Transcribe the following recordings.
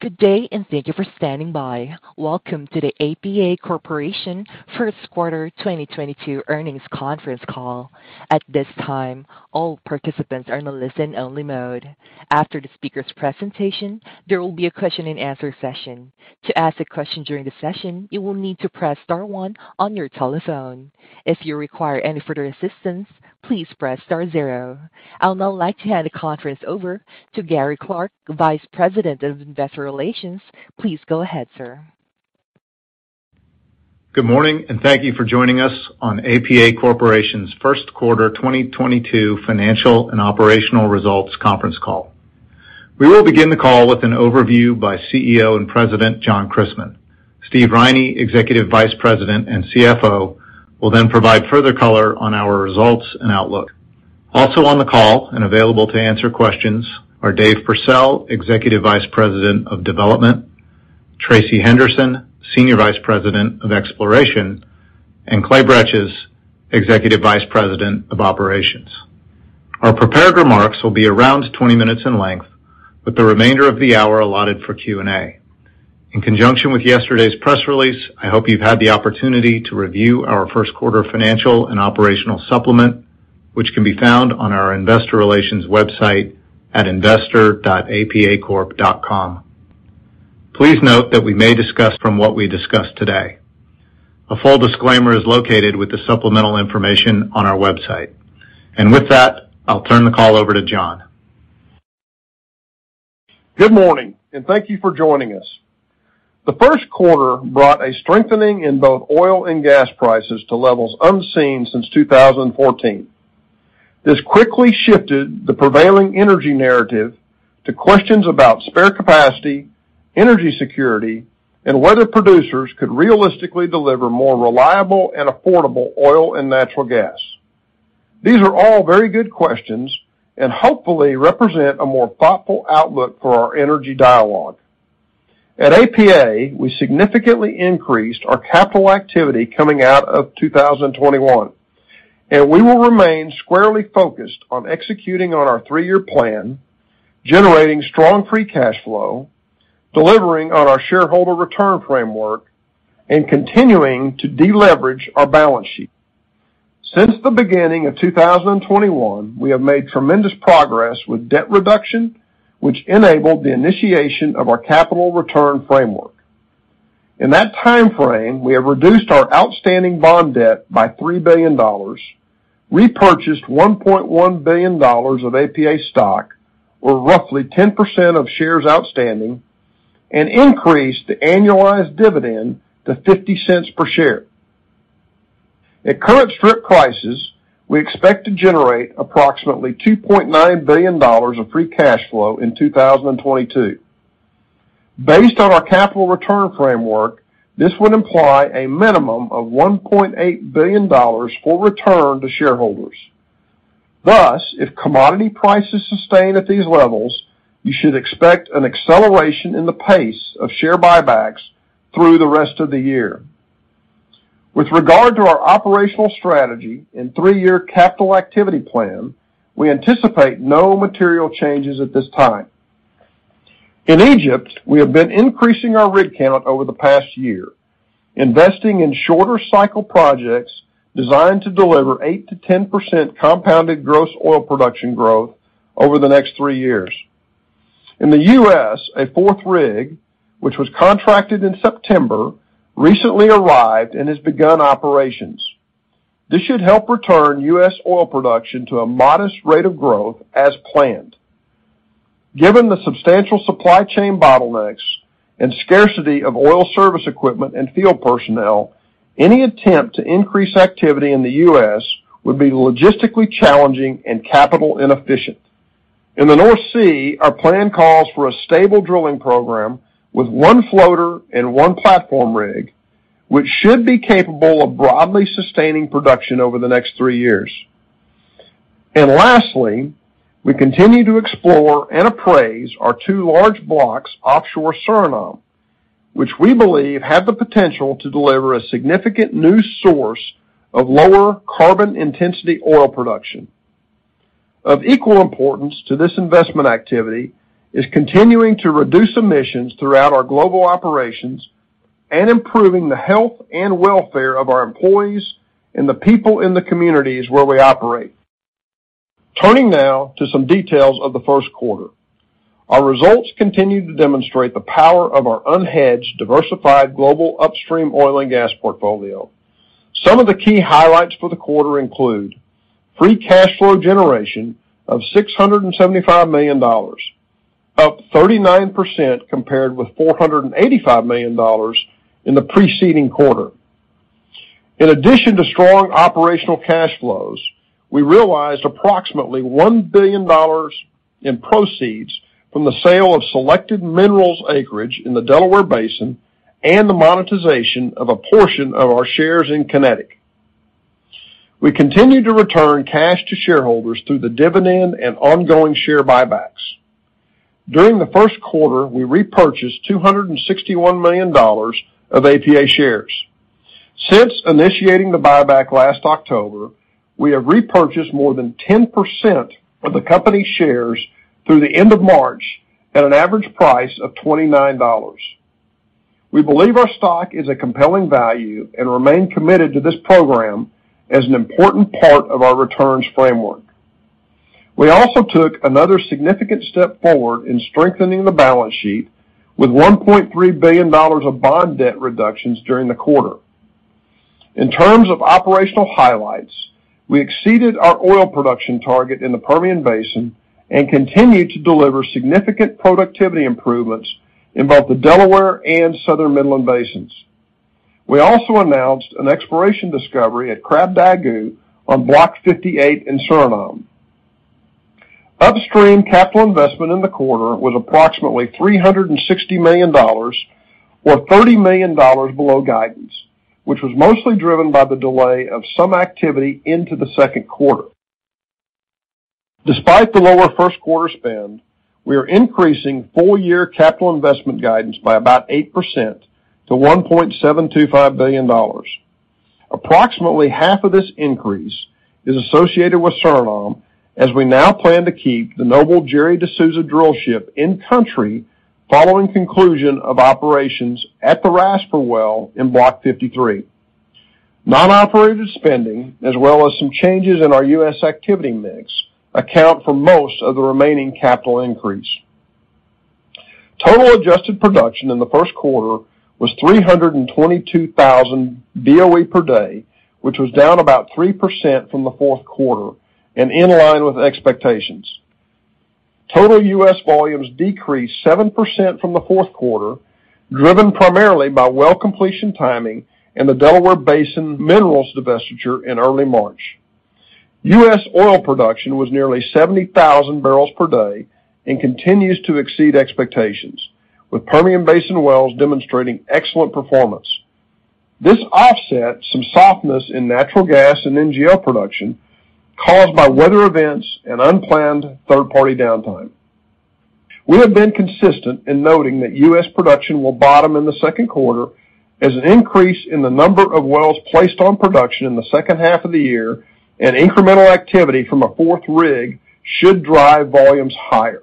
Good day, and thank you for standing by. Welcome to the APA Corporation First Quarter 2022 Earnings Conference Call. At this time, all participants are in a listen-only mode. After the speaker's presentation, there will be a question and answer session. To ask a question during the session, you will need to press star one on your telephone. If you require any further assistance, please press star zero. I'll now like to hand the conference over to Gary Clark, Vice President of Investor Relations. Please go ahead, sir. Good morning, and thank you for joining us on APA Corporation's first quarter 2022 financial and operational results conference call. We will begin the call with an overview by CEO and President, John Christmann. Steve Riney, Executive Vice President and CFO, will then provide further color on our results and outlook. Also on the call and available to answer questions are Dave Pursell, Executive Vice President of Development, Tracey Henderson, Senior Vice President of Exploration, and Clay Bretches, Executive Vice President of Operations. Our prepared remarks will be around 20 minutes in length, with the remainder of the hour allotted for Q&A. In conjunction with yesterday's press release, I hope you've had the opportunity to review our first quarter financial and operational supplement, which can be found on our investor relations website at investor.apacorp.com. Please note that we may make forward-looking statements today. A full disclaimer is located with the supplemental information on our website. With that, I'll turn the call over to John. Good morning, and thank you for joining us. The first quarter brought a strengthening in both oil and gas prices to levels unseen since 2014. This quickly shifted the prevailing energy narrative to questions about spare capacity, energy security, and whether producers could realistically deliver more reliable and affordable oil and natural gas. These are all very good questions and hopefully represent a more thoughtful outlook for our energy dialogue. At APA, we significantly increased our capital activity coming out of 2021, and we will remain squarely focused on executing on our three-year plan, generating strong free cash flow, delivering on our shareholder return framework, and continuing to deleverage our balance sheet. Since the beginning of 2021, we have made tremendous progress with debt reduction, which enabled the initiation of our capital return framework. In that time frame, we have reduced our outstanding bond debt by $3 billion, repurchased $1.1 billion of APA stock, or roughly 10% of shares outstanding, and increased the annualized dividend to $0.50 per share. At current strip prices, we expect to generate approximately $2.9 billion of free cash flow in 2022. Based on our capital return framework, this would imply a minimum of $1.8 billion for return to shareholders. Thus, if commodity prices sustain at these levels, you should expect an acceleration in the pace of share buybacks through the rest of the year. With regard to our operational strategy and three-year capital activity plan, we anticipate no material changes at this time. In Egypt, we have been increasing our rig count over the past year, investing in shorter cycle projects designed to deliver 8% to 10% compounded gross oil production growth over the next three years. In the U.S., a fourth rig, which was contracted in September, recently arrived and has begun operations. This should help return U.S. oil production to a modest rate of growth as planned. Given the substantial supply chain bottlenecks and scarcity of oil service equipment and field personnel, any attempt to increase activity in the U.S. would be logistically challenging and capital inefficient. In the North Sea, our plan calls for a stable drilling program with one floater and one platform rig, which should be capable of broadly sustaining production over the next three years. Lastly, we continue to explore and appraise our two large blocks offshore Suriname, which we believe have the potential to deliver a significant new source of lower carbon intensity oil production. Of equal importance to this investment activity is continuing to reduce emissions throughout our global operations and improving the health and welfare of our employees and the people in the communities where we operate. Turning now to some details of the first quarter. Our results continue to demonstrate the power of our unhedged, diversified global upstream oil and gas portfolio. Some of the key highlights for the quarter include free cash flow generation of $675 million, up 39% compared with $485 million in the preceding quarter. In addition to strong operational cash flows, we realized approximately $1 billion in proceeds from the sale of selected minerals acreage in the Delaware Basin and the monetization of a portion of our shares in Kinetik. We continue to return cash to shareholders through the dividend and ongoing share buybacks. During the first quarter, we repurchased $261 million of APA shares. Since initiating the buyback last October, we have repurchased more than 10% of the company shares through the end of March at an average price of $29. We believe our stock is a compelling value and remain committed to this program as an important part of our returns framework. We also took another significant step forward in strengthening the balance sheet with $1.3 billion of bond debt reductions during the quarter. In terms of operational highlights, we exceeded our oil production target in the Permian Basin and continued to deliver significant productivity improvements in both the Delaware and Southern Midland basins. We also announced an exploration discovery at Krabdagu on Block 58 in Suriname. Upstream capital investment in the quarter was approximately $360 million or $30 million below guidance, which was mostly driven by the delay of some activity into the second quarter. Despite the lower first quarter spend, we are increasing full year capital investment guidance by about 8% to $1.725 billion. Approximately half of this increase is associated with Suriname as we now plan to keep the Noble Gerry de Souza drillship in country following conclusion of operations at the Raspar well in Block 53. Non-operated spending as well as some changes in our U.S. activity mix account for most of the remaining capital increase. Total adjusted production in the first quarter was 322,000 BOE per day, which was down about 3% from the fourth quarter and in line with expectations. Total U.S. volumes decreased 7% from the fourth quarter, driven primarily by well completion timing and the Delaware Basin minerals divestiture in early March. U.S. oil production was nearly 70,000 barrels per day and continues to exceed expectations, with Permian Basin wells demonstrating excellent performance. This offset some softness in natural gas and NGL production caused by weather events and unplanned third-party downtime. We have been consistent in noting that U.S. production will bottom in the second quarter as an increase in the number of wells placed on production in the second half of the year and incremental activity from a fourth rig should drive volumes higher.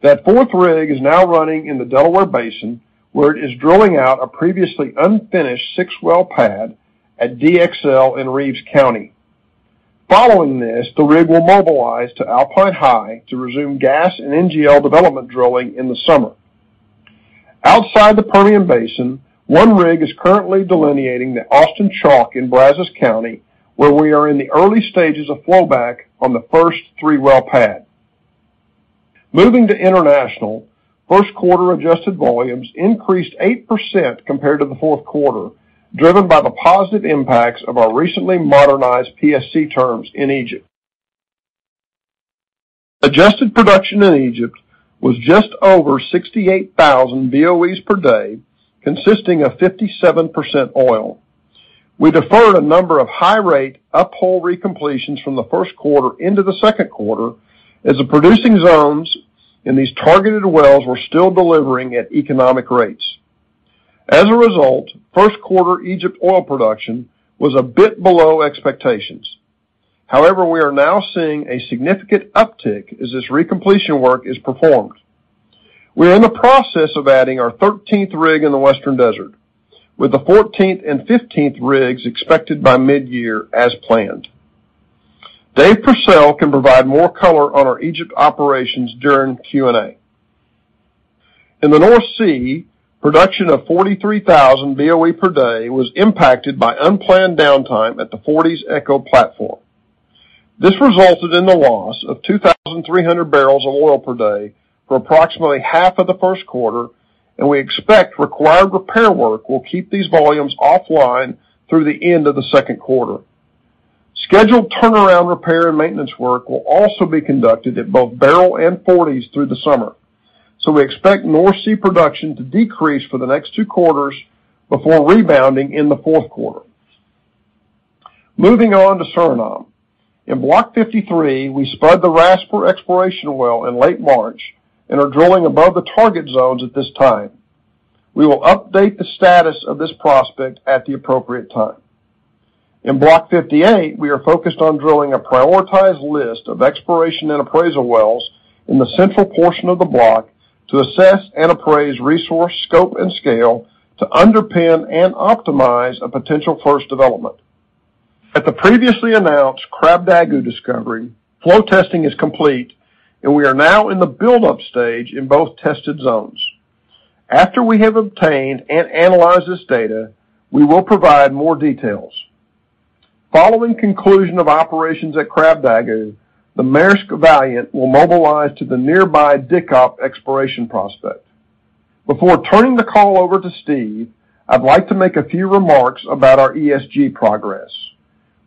That fourth rig is now running in the Delaware Basin, where it is drilling out a previously unfinished six-well pad at DXL in Reeves County. Following this, the rig will mobilize to Alpine High to resume gas and NGL development drilling in the summer. Outside the Permian Basin, one rig is currently delineating the Austin Chalk in Brazos County, where we are in the early stages of flow back on the first three-well pad. Moving to international, first quarter adjusted volumes increased 8% compared to the fourth quarter, driven by the positive impacts of our recently modernized PSC terms in Egypt. Adjusted production in Egypt was just over 68,000 BOE per day, consisting of 57% oil. We deferred a number of high-rate uphole recompletions from the first quarter into the second quarter as the producing zones in these targeted wells were still delivering at economic rates. As a result, first quarter Egypt oil production was a bit below expectations. However, we are now seeing a significant uptick as this recompletion work is performed. We are in the process of adding our 13th rig in the Western Desert, with the 14th and 15th rigs expected by mid-year as planned. Dave Pursell can provide more color on our Egypt operations during Q&A. In the North Sea, production of 43,000 BOE per day was impacted by unplanned downtime at the Forties Echo platform. This resulted in the loss of 2,300 barrels of oil per day for approximately half of the first quarter, and we expect required repair work will keep these volumes offline through the end of the second quarter. Scheduled turnaround repair and maintenance work will also be conducted at both Beryl and Forties through the summer. We expect North Sea production to decrease for the next two quarters before rebounding in the fourth quarter. Moving on to Suriname. In Block 53, we spud the Rasper exploration well in late March and are drilling above the target zones at this time. We will update the status of this prospect at the appropriate time. In Block 58, we are focused on drilling a prioritized list of exploration and appraisal wells in the central portion of the block to assess and appraise resource scope and scale to underpin and optimize a potential first development. At the previously announced Krabdagu discovery, flow testing is complete, and we are now in the build-up stage in both tested zones. After we have obtained and analyzed this data, we will provide more details. Following conclusion of operations at Krabdagu, the Maersk Valiant will mobilize to the nearby Dikkop exploration prospect. Before turning the call over to Steve, I'd like to make a few remarks about our ESG progress.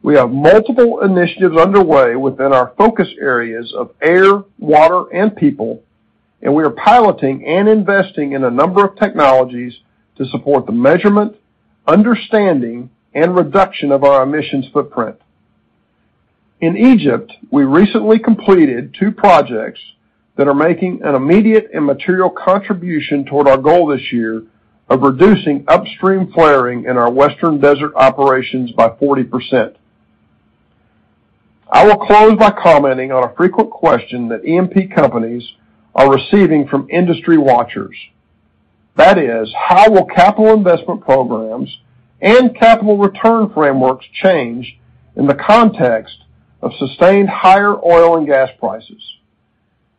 We have multiple initiatives underway within our focus areas of air, water, and people, and we are piloting and investing in a number of technologies to support the measurement, understanding, and reduction of our emissions footprint. In Egypt, we recently completed two projects that are making an immediate and material contribution toward our goal this year of reducing upstream flaring in our Western Desert operations by 40%. I will close by commenting on a frequent question that E&P companies are receiving from industry watchers. That is, how will capital investment programs and capital return frameworks change in the context of sustained higher oil and gas prices?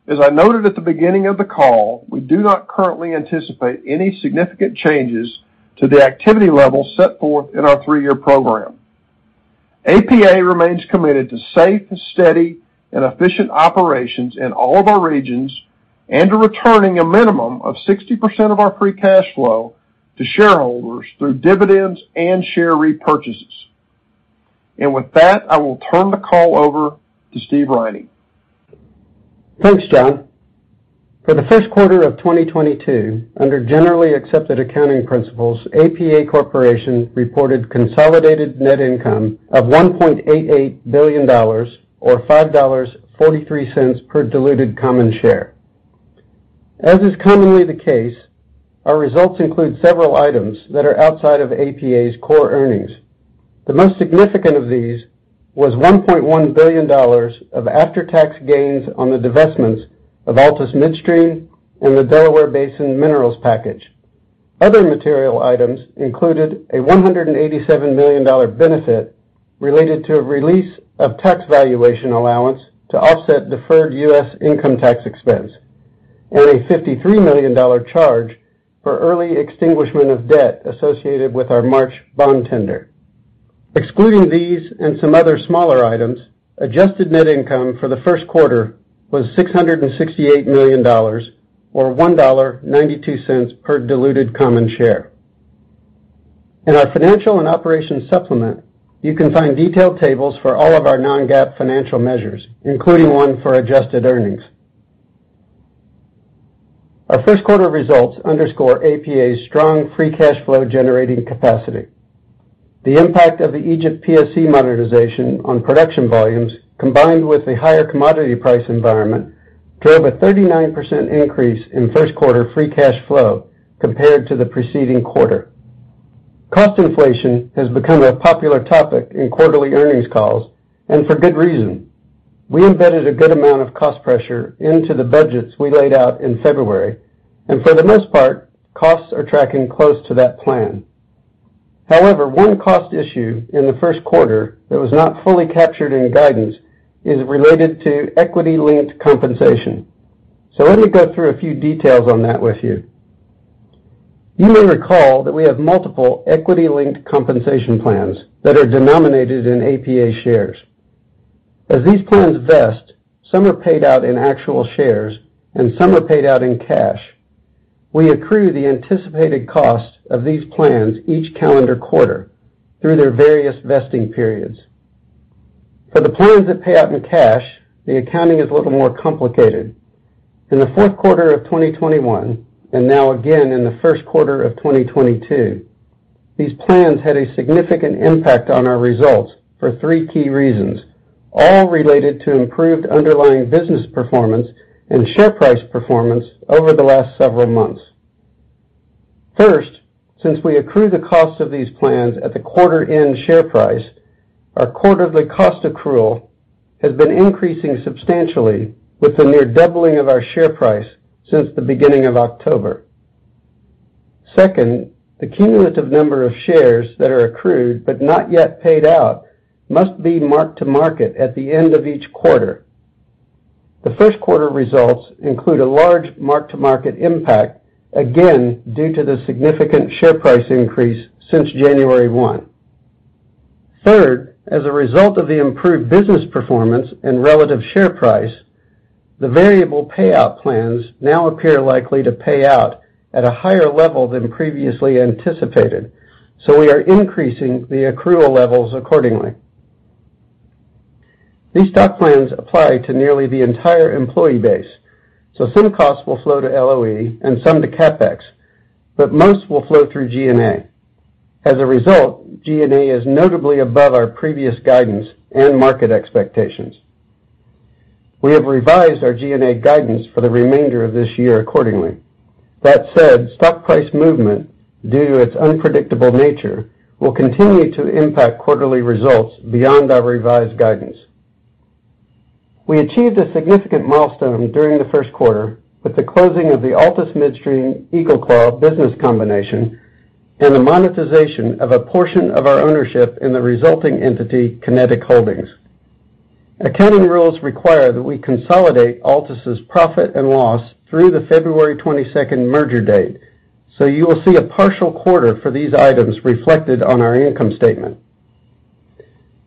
As I noted at the beginning of the call, we do not currently anticipate any significant changes to the activity levels set forth in our three-year program. APA remains committed to safe, steady, and efficient operations in all of our regions, and to returning a minimum of 60% of our free cash flow to shareholders through dividends and share repurchases. With that, I will turn the call over to Steve Riney. Thanks, John. For the first quarter of 2022, under generally accepted accounting principles, APA Corporation reported consolidated net income of $1.88 billion or $5.43 per diluted common share. As is commonly the case, our results include several items that are outside of APA's core earnings. The most significant of these was $1.1 billion of after-tax gains on the divestments of Altus Midstream and the Delaware Basin minerals package. Other material items included a $187 million benefit related to a release of tax valuation allowance to offset deferred U.S. income tax expense, and a $53 million charge for early extinguishment of debt associated with our March bond tender. Excluding these and some other smaller items, adjusted net income for the first quarter was $668 million or $1.92 per diluted common share. In our financial and operations supplement, you can find detailed tables for all of our non-GAAP financial measures, including one for adjusted earnings. Our first quarter results underscore APA's strong free cash flow generating capacity. The impact of the Egypt PSC modernization on production volumes, combined with a higher commodity price environment, drove a 39% increase in first quarter free cash flow compared to the preceding quarter. Cost inflation has become a popular topic in quarterly earnings calls, and for good reason. We embedded a good amount of cost pressure into the budgets we laid out in February, and for the most part, costs are tracking close to that plan. However, one cost issue in the first quarter that was not fully captured in guidance is related to equity-linked compensation. Let me go through a few details on that with you. You may recall that we have multiple equity-linked compensation plans that are denominated in APA shares. As these plans vest, some are paid out in actual shares and some are paid out in cash. We accrue the anticipated cost of these plans each calendar quarter through their various vesting periods. For the plans that pay out in cash, the accounting is a little more complicated. In the fourth quarter of 2021, and now again in the first quarter of 2022, these plans had a significant impact on our results for three key reasons, all related to improved underlying business performance and share price performance over the last several months. First, since we accrue the cost of these plans at the quarter end share price, our quarterly cost accrual has been increasing substantially with the near doubling of our share price since the beginning of October. Second, the cumulative number of shares that are accrued but not yet paid out must be marked to market at the end of each quarter. The first quarter results include a large mark-to-market impact, again, due to the significant share price increase since January 1. Third, as a result of the improved business performance and relative share price, the variable payout plans now appear likely to pay out at a higher level than previously anticipated, so we are increasing the accrual levels accordingly. These stock plans apply to nearly the entire employee base, so some costs will flow to LOE and some to CapEx, but most will flow through G&A. As a result, G&A is notably above our previous guidance and market expectations. We have revised our G&A guidance for the remainder of this year accordingly. That said, stock price movement, due to its unpredictable nature, will continue to impact quarterly results beyond our revised guidance. We achieved a significant milestone during the first quarter with the closing of the Altus Midstream EagleClaw business combination and the monetization of a portion of our ownership in the resulting entity, Kinetik Holdings. Accounting rules require that we consolidate Altus' profit and loss through the February 22nd merger date, so you will see a partial quarter for these items reflected on our income statement.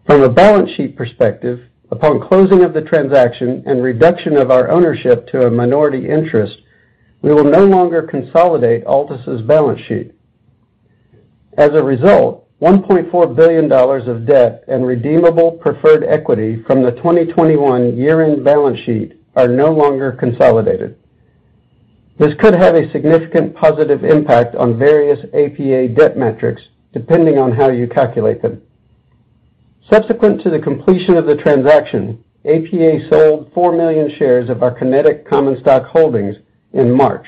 From a balance sheet perspective, upon closing of the transaction and reduction of our ownership to a minority interest, we will no longer consolidate Altus' balance sheet. As a result, $1.4 billion of debt and redeemable preferred equity from the 2021 year-end balance sheet are no longer consolidated. This could have a significant positive impact on various APA debt metrics depending on how you calculate them. Subsequent to the completion of the transaction, APA sold 4 million shares of our Kinetik common stock holdings in March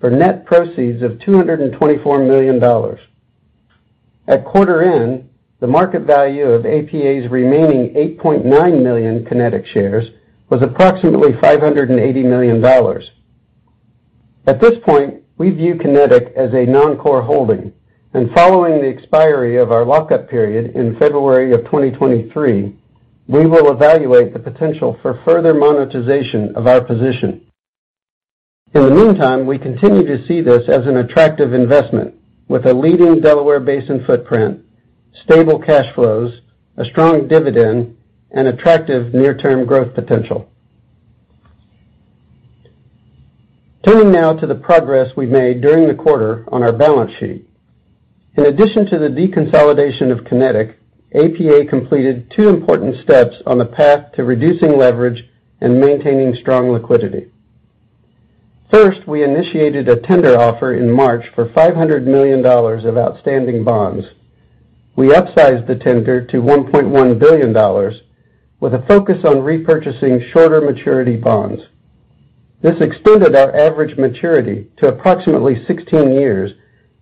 for net proceeds of $224 million. At quarter end, the market value of APA's remaining 8.9 million Kinetik shares was approximately $580 million. At this point, we view Kinetik as a non-core holding, and following the expiry of our lock-up period in February of 2023, we will evaluate the potential for further monetization of our position. In the meantime, we continue to see this as an attractive investment with a leading Delaware Basin footprint, stable cash flows, a strong dividend, and attractive near-term growth potential. Turning now to the progress we've made during the quarter on our balance sheet. In addition to the deconsolidation of Kinetik, APA completed two important steps on the path to reducing leverage and maintaining strong liquidity. First, we initiated a tender offer in March for $500 million of outstanding bonds. We upsized the tender to $1.1 billion with a focus on repurchasing shorter maturity bonds. This extended our average maturity to approximately 16 years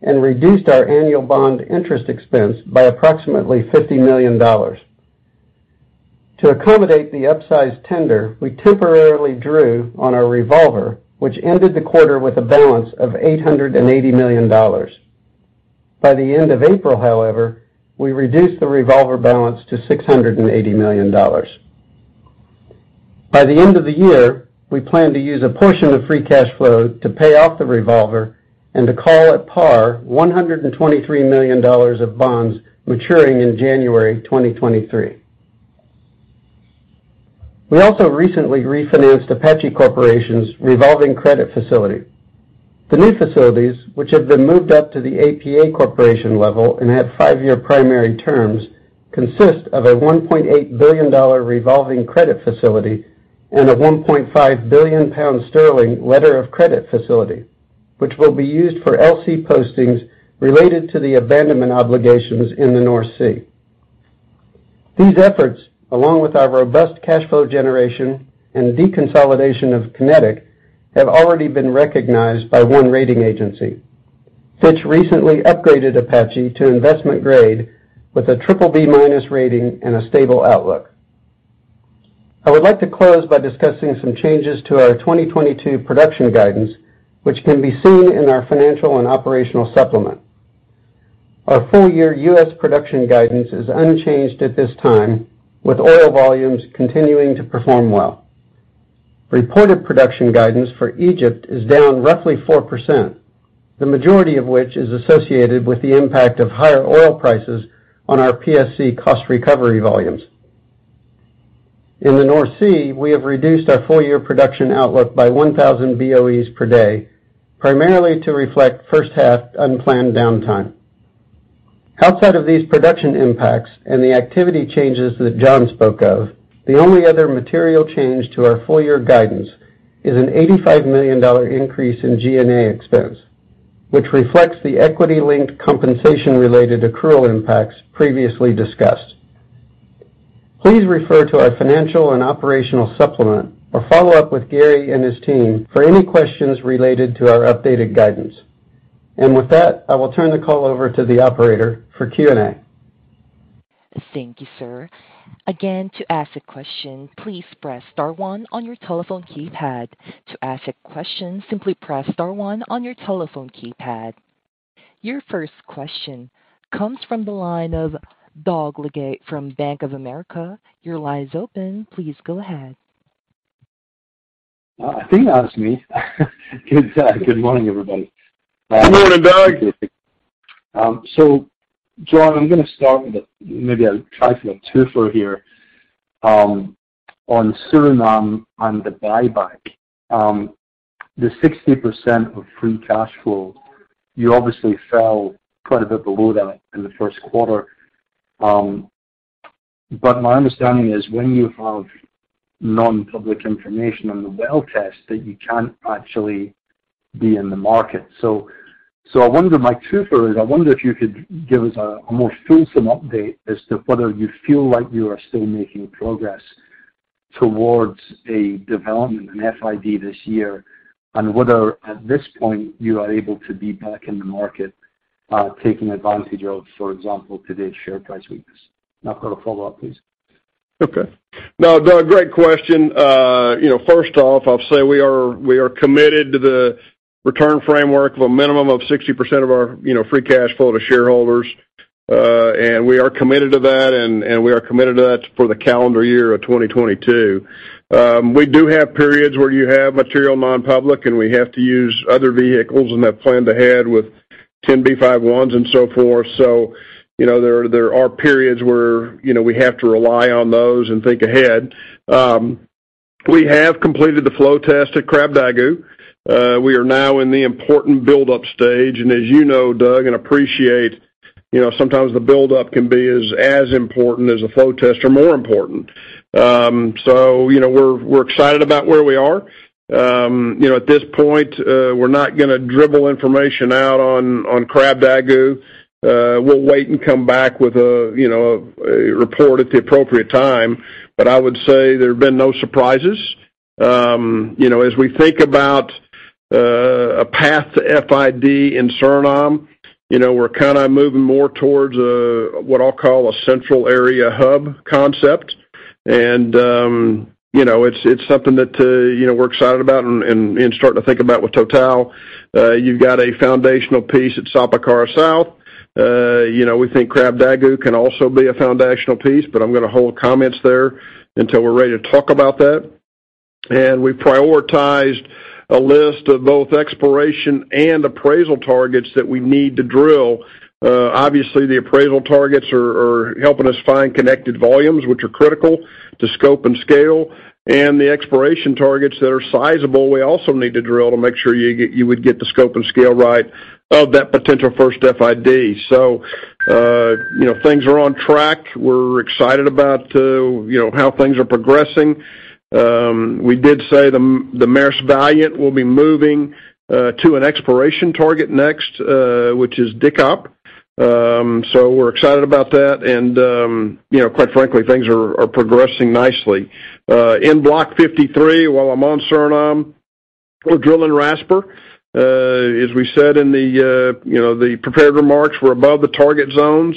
and reduced our annual bond interest expense by approximately $50 million. To accommodate the upsized tender, we temporarily drew on our revolver, which ended the quarter with a balance of $880 million. By the end of April, however, we reduced the revolver balance to $680 million. By the end of the year, we plan to use a portion of free cash flow to pay off the revolver and to call at par $123 million of bonds maturing in January 2023. We also recently refinanced Apache Corporation's revolving credit facility. The new facilities, which have been moved up to the APA Corporation level and have five-year primary terms, consist of a $1.8 billion revolving credit facility and a 1.5 billion pound letter of credit facility, which will be used for LC postings related to the abandonment obligations in the North Sea. These efforts, along with our robust cash flow generation and deconsolidation of Kinetik, have already been recognized by one rating agency. Fitch recently upgraded Apache to investment grade with a BBB- rating and a stable outlook. I would like to close by discussing some changes to our 2022 production guidance, which can be seen in our financial and operational supplement. Our full-year U.S. production guidance is unchanged at this time, with oil volumes continuing to perform well. Reported production guidance for Egypt is down roughly 4%, the majority of which is associated with the impact of higher oil prices on our PSC cost recovery volumes. In the North Sea, we have reduced our full-year production outlook by 1,000 BOE per day, primarily to reflect first half unplanned downtime. Outside of these production impacts and the activity changes that John spoke of, the only other material change to our full-year guidance is a $85 million increase in G&A expense, which reflects the equity-linked compensation related accrual impacts previously discussed. Please refer to our financial and operational supplement or follow up with Gary and his team for any questions related to our updated guidance. With that, I will turn the call over to the operator for Q&A. Thank you, sir. Again, to ask a question, please press star one on your telephone keypad. To ask a question, simply press star one on your telephone keypad. Your first question comes from the line of Doug Leggate from Bank of America. Your line is open. Please go ahead. I think that was me. Good morning, everybody. Good morning, Doug. John, I'm gonna start with. Maybe I'll try for a twofer here, on Suriname and the buyback. The 60% of free cash flow, you obviously fell quite a bit below that in the first quarter. My understanding is when you have non-public information on the well test, that you can't actually be in the market. I wonder, my twofer is, I wonder if you could give us a more fulsome update as to whether you feel like you are still making progress towards a development in FID this year, and whether at this point, you are able to be back in the market, taking advantage of, for example, today's share price weakness. I've got a follow-up, please. Okay. No, Doug, great question. You know, first off, I'll say we are committed to the return framework of a minimum of 60% of our free cash flow to shareholders. We are committed to that for the calendar year of 2022. We do have periods where you have material non-public, and we have to use other vehicles and have planned ahead with 10b5-1s and so forth. You know, there are periods where you know, we have to rely on those and think ahead. We have completed the flow test at Krabdagu. We are now in the important build-up stage. As you know, Doug, and appreciate, you know, sometimes the build-up can be as important as a flow test or more important. You know, we're excited about where we are. You know, at this point, we're not gonna dribble information out on Krabdagu. We'll wait and come back with a you know, a report at the appropriate time. But I would say there have been no surprises. You know, as we think about a path to FID in Suriname, you know, we're kinda moving more towards a what I'll call a central area hub concept. You know, it's something that we're excited about and starting to think about with Total. You've got a foundational piece at Sapakara South. You know, we think Krabdagu can also be a foundational piece, but I'm gonna hold comments there until we're ready to talk about that. We've prioritized a list of both exploration and appraisal targets that we need to drill. Obviously, the appraisal targets are helping us find connected volumes, which are critical to scope and scale. The exploration targets that are sizable, we also need to drill to make sure you would get the scope and scale right of that potential first FID. You know, things are on track. We're excited about you know, how things are progressing. We did say the Maersk Valiant will be moving to an exploration target next, which is Dikkop. We're excited about that and you know, quite frankly, things are progressing nicely. In Block 53, while I'm on Suriname, we're drilling Rasper. As we said in the you know, the prepared remarks, we're above the target zones.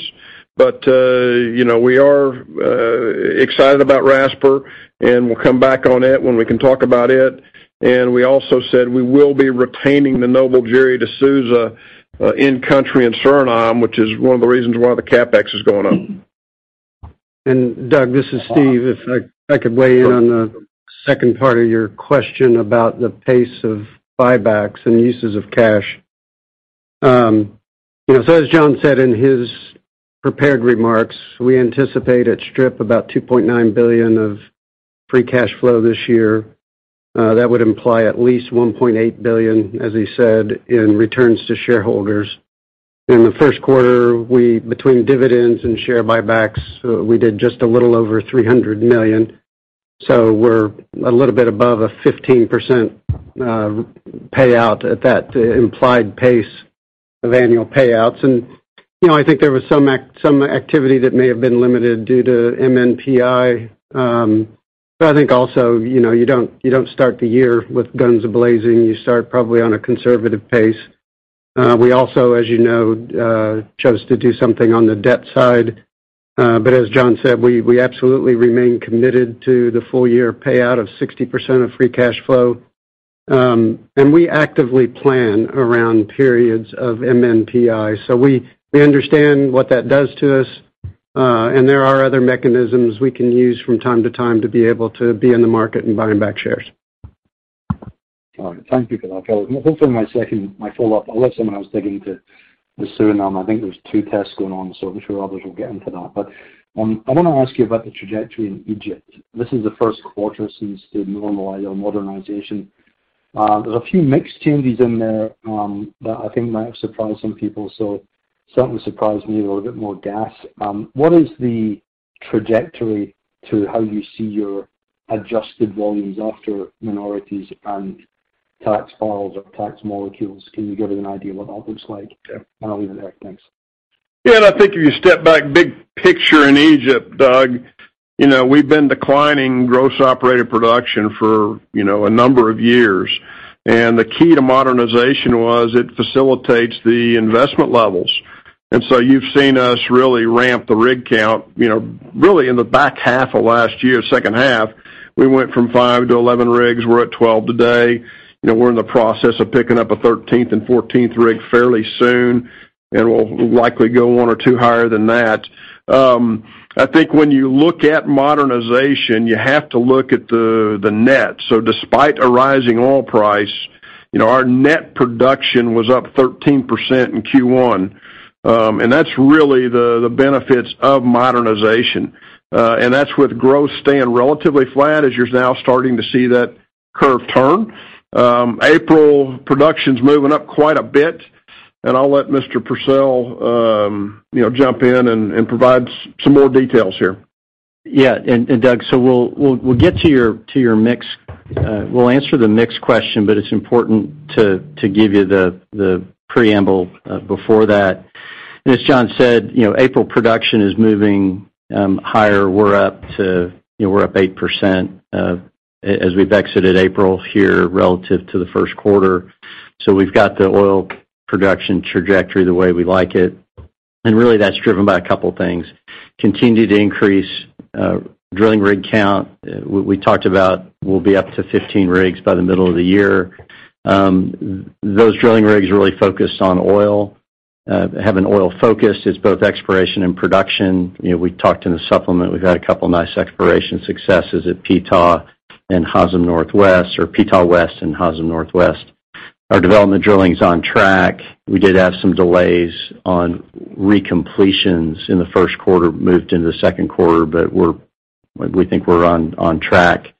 You know, we are excited about Rasper, and we'll come back on it when we can talk about it. We also said we will be retaining the Noble Gerry de Souza in country in Suriname, which is one of the reasons why the CapEx is going up. Doug, this is Steve. If I could weigh in on the second part of your question about the pace of buybacks and uses of cash. You know, so as John said in his prepared remarks, we anticipate at strip about $2.9 billion of free cash flow this year. That would imply at least $1.8 billion, as he said, in returns to shareholders. In the first quarter, we between dividends and share buybacks did just a little over $300 million. So we're a little bit above a 15%, payout at that implied pace of annual payouts. You know, I think there was some activity that may have been limited due to MNPI. But I think also, you know, you don't start the year with guns a-blazing. You start probably on a conservative pace. We also, as you know, chose to do something on the debt side. As John said, we absolutely remain committed to the full year payout of 60% of free cash flow. We actively plan around periods of MNPI. We understand what that does to us, and there are other mechanisms we can use from time to time to be able to be in the market and buying back shares. All right. Thank you for that, fellas. Hopefully, my follow-up, I'll let someone else dig into the Suriname. I think there's two tests going on, so I'm sure others will get into that. I wanna ask you about the trajectory in Egypt. This is the first quarter since the normalization. There's a few mixed changes in there that I think might have surprised some people, so certainly surprised me with a little bit more gas. What is the trajectory to how you see your adjusted volumes after royalties and taxes? Can you give an idea what that looks like? Sure. I'll leave it there. Thanks. Yeah. I think if you step back big picture in Egypt, Doug, you know, we've been declining gross operated production for, you know, a number of years. The key to modernization was it facilitates the investment levels. You've seen us really ramp the rig count, you know, really in the back half of last year, second half, we went from 5 to 11 rigs. We're at 12 today. You know, we're in the process of picking up a 13th and 14th rig fairly soon, and we'll likely go one or two higher than that. I think when you look at modernization, you have to look at the net. Despite a rising oil price, you know, our net production was up 13% in Q1. That's really the benefits of modernization. That's with growth staying relatively flat as you're now starting to see that curve turn. April production's moving up quite a bit, and I'll let Mr. Pursell jump in and provide some more details here. Doug, we'll get to your mix. We'll answer the mix question, but it's important to give you the preamble before that. As John said, you know, April production is moving higher. We're up, too, you know, we're up 8% as we've exited April here relative to the first quarter. We've got the oil production trajectory the way we like it, and really that's driven by a couple things. Continue to increase drilling rig count. We talked about we'll be up to 15 rigs by the middle of the year. Those drilling rigs really focus on oil, have an oil focus. It's both exploration and production. You know, we talked in the supplement. We've had a couple nice exploration successes at Ptah and Hazem Northwest or Ptah West and Hazem Northwest. Our development drilling is on track. We did have some delays on recompletions in the first quarter, moved into the second quarter, but we think we're on track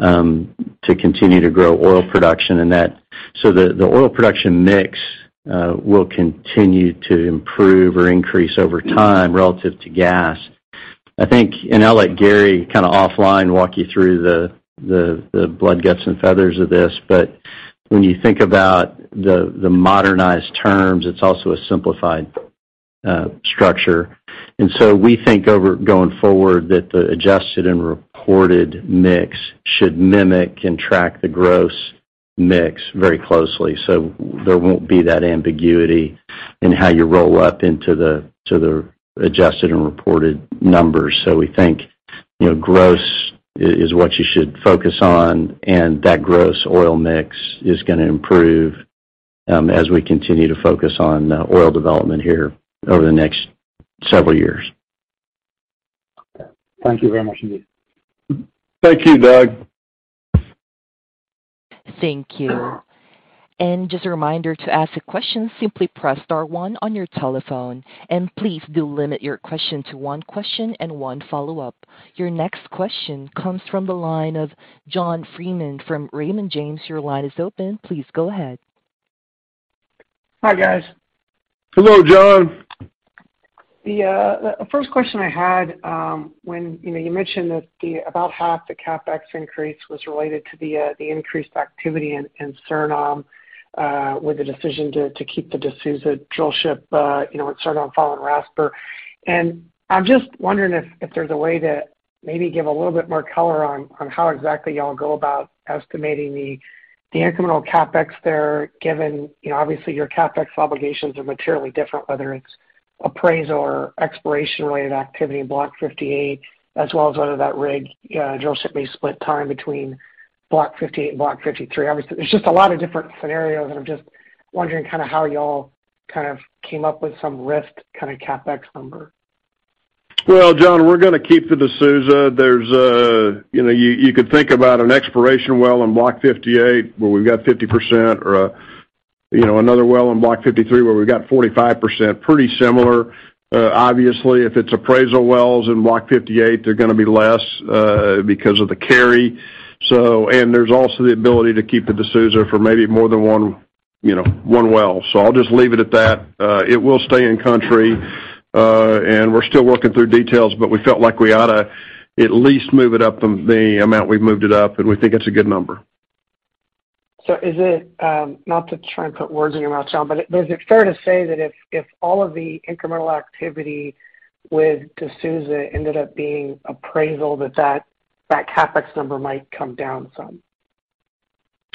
to continue to grow oil production and that the oil production mix will continue to improve or increase over time relative to gas. I think, and I'll let Gary kind of offline walk you through the blood, guts, and feathers of this. But when you think about the modernized terms, it's also a simplified structure. We think going forward that the adjusted and reported mix should mimic and track the gross mix very closely. There won't be that ambiguity in how you roll up into the adjusted and reported numbers. We think, you know, gross is what you should focus on, and that gross oil mix is gonna improve as we continue to focus on oil development here over the next several years. Thank you very much indeed. Thank you, Doug. Thank you. Just a reminder to ask a question, simply press star one on your telephone. Please do limit your question to one question and one follow-up. Your next question comes from the line of John Freeman from Raymond James. Your line is open. Please go ahead. Hi, guys. Hello, John. The first question I had, when you know, you mentioned that about half the CapEx increase was related to the increased activity in Suriname, with the decision to keep the de Souza drillship, you know, in Suriname following Rasper. I'm just wondering if there's a way to maybe give a little bit more color on how exactly y'all go about estimating the incremental CapEx there, given you know, obviously your CapEx obligations are materially different, whether it's appraisal or exploration-related activity in Block 58, as well as whether that rig, drillship may split time between Block 58 and Block 53? Obviously, there's just a lot of different scenarios, and I'm just wondering kinda how y'all kind of came up with some risked kinda CapEx number. Well, John, we're gonna keep the de Souza. There's, you know, you could think about an exploration well in Block 58 where we've got 50% or, you know, another well in Block 53 where we've got 45%. Pretty similar. Obviously, if it's appraisal wells in Block 58, they're gonna be less because of the carry. There's also the ability to keep the de Souza for maybe more than one, you know, one well. I'll just leave it at that. It will stay in country, and we're still working through details, but we felt like we ought to at least move it up from the amount we've moved it up, and we think it's a good number. Is it not to try and put words in your mouth, John, but is it fair to say that if all of the incremental activity with de Souza ended up being appraisal that CapEx number might come down some?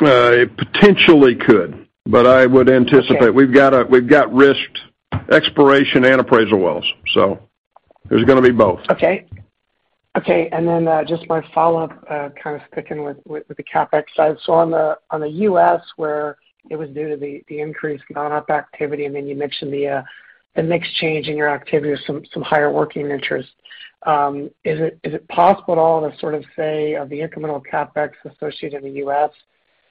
It potentially could. I would anticipate we've got risked exploration and appraisal wells, so there's gonna be both. Just my follow-up, kind of sticking with the CapEx side. On the U.S., where it was due to the increased non-op activity, and then you mentioned the mix change in your activity with some higher working interest. Is it possible at all to sort of say of the incremental CapEx associated in the U.S.,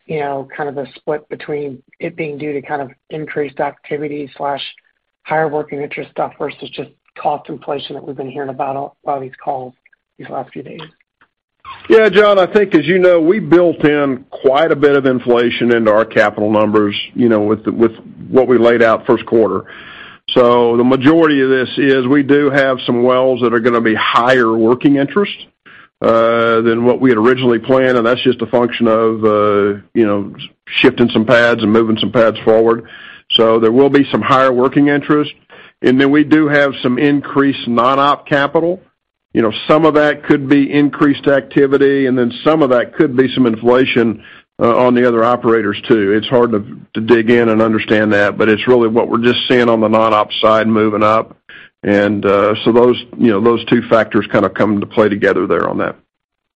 you know, kind of a split between it being due to kind of increased activity, higher working interest stuff versus just cost inflation that we've been hearing about on a lot of these calls these last few days? Yeah, John, I think as you know, we built in quite a bit of inflation into our capital numbers, you know, with what we laid out first quarter. The majority of this is we do have some wells that are gonna be higher working interest than what we had originally planned, and that's just a function of, you know, shifting some pads and moving some pads forward. There will be some higher working interest. We do have some increased non-op capital. You know, some of that could be increased activity, and then some of that could be some inflation on the other operators too. It's hard to dig in and understand that, but it's really what we're just seeing on the non-op side moving up. Those, you know, two factors kind of come into play together there on that.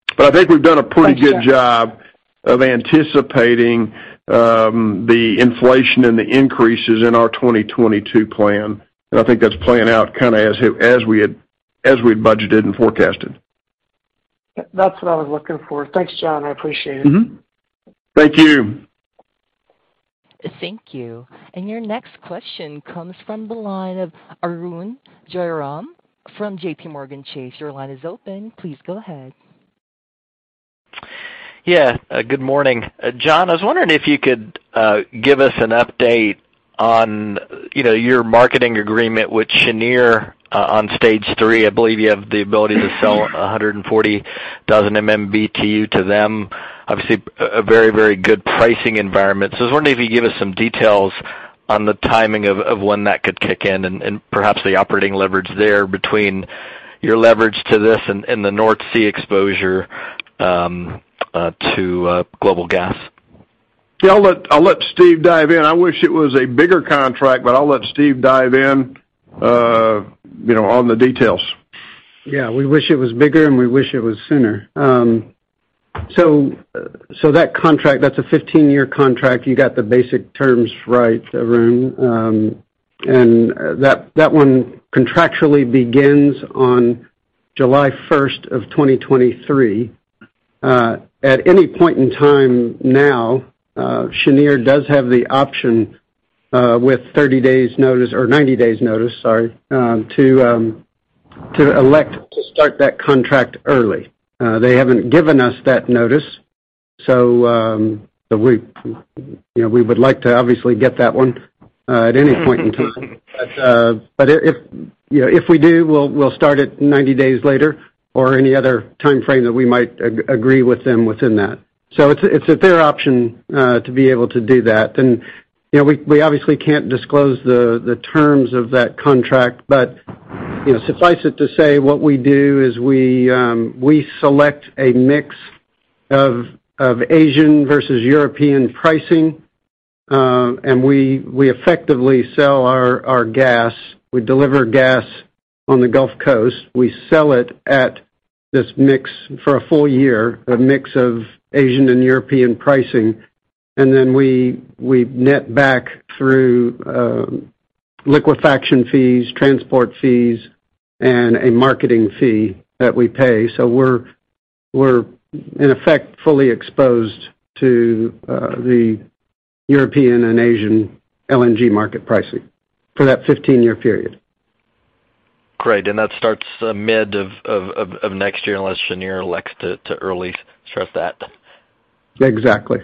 Thanks, John. I think we've done a pretty good job of anticipating the inflation and the increases in our 2022 plan. I think that's playing out kinda as we had budgeted and forecasted. That's what I was looking for. Thanks, John. I appreciate it. Mm-hmm. Thank you. Thank you. Your next question comes from the line of Arun Jayaram from JPMorgan Chase. Your line is open. Please go ahead. Yeah, good morning. John, I was wondering if you could give us an update on, you know, your marketing agreement with Cheniere on Stage III. I believe you have the ability to sell 140,000 MMBtu to them. Obviously, a very, very good pricing environment. I was wondering if you could give us some details on the timing of when that could kick in and perhaps the operating leverage there between your leverage to this and the North Sea exposure to global gas. Yeah, I'll let Steve dive in. I wish it was a bigger contract, but I'll let Steve dive in, you know, on the details. Yeah, we wish it was bigger, and we wish it was sooner. That contract, that's a 15-year contract. You got the basic terms right, Arun. That one contractually begins on July first of 2023. At any point in time now, Cheniere does have the option with 30 days notice or 90 days notice, sorry, to elect to start that contract early. They haven't given us that notice. We, you know, we would like to obviously get that one at any point in time. If, you know, if we do, we'll start it 90 days later or any other timeframe that we might agree with them within that. It's at their option to be able to do that. You know, we obviously can't disclose the terms of that contract. You know, suffice it to say, what we do is we select a mix of Asian versus European pricing. We effectively sell our gas. We deliver gas on the Gulf Coast. We sell it at this mix for a full year, a mix of Asian and European pricing. We net back through liquefaction fees, transport fees, and a marketing fee that we pay. We're in effect fully exposed to the European and Asian LNG market pricing for that 15-year period. Great. That starts mid of next year, unless Cheniere elects to early start that. Exactly.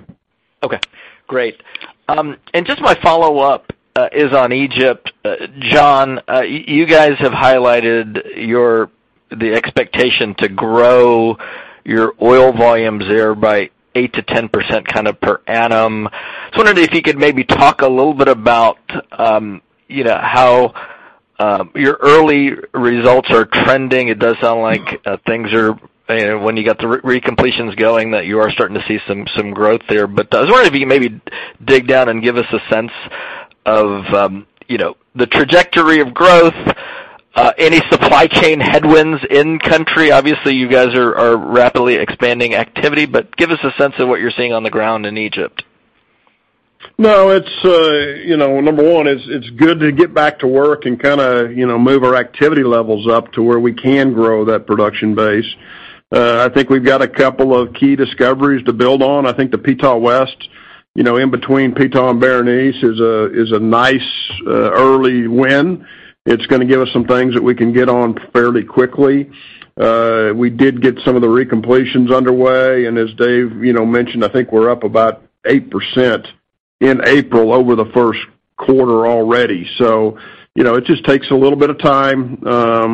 Okay, great. And just my follow-up is on Egypt. John, you guys have highlighted the expectation to grow your oil volumes there by 8% to 10% per annum. I was wondering if you could maybe talk a little bit about, you know, how your early results are trending. It does sound like things are, you know, when you get the recompletions going, that you are starting to see some growth there. But I was wondering if you could maybe dig down and give us a sense of, you know, the trajectory of growth, any supply chain headwinds in country. Obviously, you guys are rapidly expanding activity, but give us a sense of what you're seeing on the ground in Egypt. No, it's you know number one, it's good to get back to work and kinda you know move our activity levels up to where we can grow that production base. I think we've got a couple of key discoveries to build on. I think the Ptah West you know in between Ptah and Berenice is a nice early win. It's gonna give us some things that we can get on fairly quickly. We did get some of the recompletions underway, and as Dave you know mentioned, I think we're up about 8% in April over the first quarter already. It just takes a little bit of time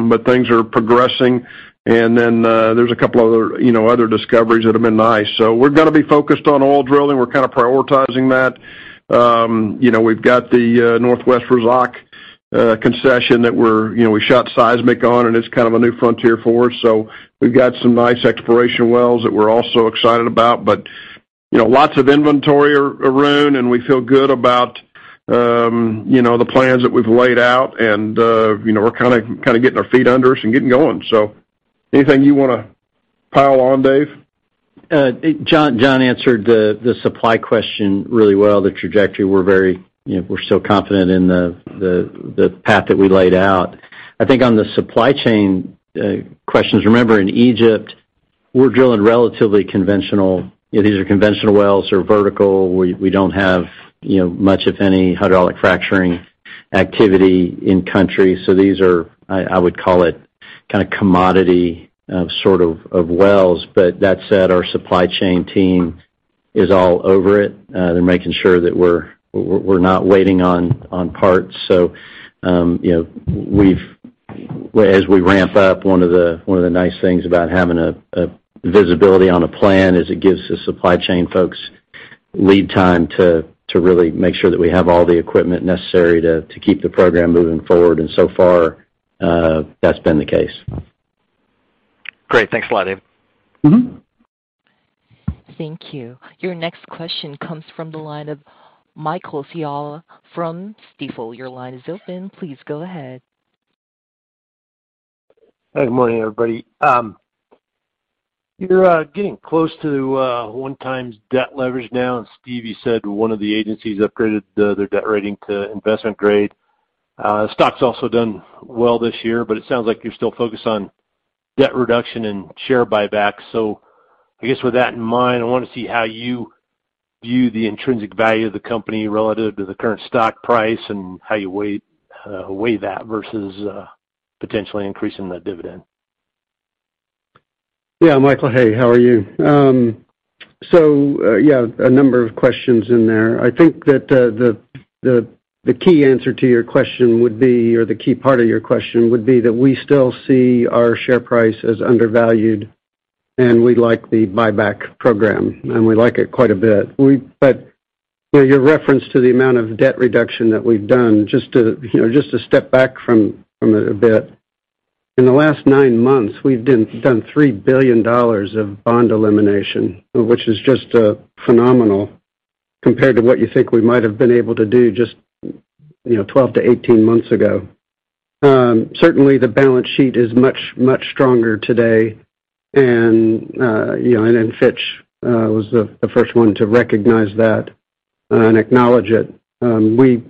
but things are progressing. There's a couple other you know discoveries that have been nice. We're gonna be focused on oil drilling. We're kind of prioritizing that. You know, we've got the Northwest Razzak concession that we're, you know, we shot seismic on, and it's kind of a new frontier for us. We've got some nice exploration wells that we're also excited about. You know, lots of inventory around, and we feel good about, you know, the plans that we've laid out, and, you know, we're kinda getting our feet under us and getting going. Anything you wanna pile on Dave? John answered the supply question really well. The trajectory, we're very, you know, so confident in the path that we laid out. I think on the supply chain questions, remember in Egypt, we're drilling relatively conventional. These are conventional wells or vertical. We don't have, you know, much of any hydraulic fracturing activity in country. So these are. I would call it kinda commodity sort of wells. But that said, our supply chain team is all over it. They're making sure that we're not waiting on parts. as we ramp up, one of the nice things about having a visibility on a plan is it gives the supply chain folks lead time to really make sure that we have all the equipment necessary to keep the program moving forward. So far, that's been the case. Great. Thanks a lot, Dave. Mm-hmm. Thank you. Your next question comes from the line of Michael Scialla from Stifel. Your line is open. Please go ahead. Good morning, everybody. You're getting close to 1x debt leverage now, and Steve, you said one of the agencies upgraded their debt rating to investment grade. Stock's also done well this year, but it sounds like you're still focused on debt reduction and share buyback. I guess with that in mind, I wanna see how you view the intrinsic value of the company relative to the current stock price and how you weigh that versus potentially increasing the dividend? Yeah, Michael. Hey, how are you? So, a number of questions in there. I think that the key answer to your question would be, or the key part of your question would be that we still see our share price as undervalued, and we like the buyback program, and we like it quite a bit. You know, your reference to the amount of debt reduction that we've done, just to step back from it a bit. In the last nine months, we've done $3 billion of bond elimination, which is just phenomenal compared to what you think we might have been able to do just 12 to 18 months ago. Certainly, the balance sheet is much, much stronger today, and you know, Fitch was the first one to recognize that and acknowledge it. We you